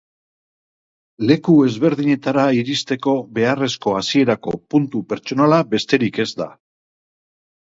Leku ezberdinetara iristeko beharrezko hasierako puntu petsonala besterik ez da.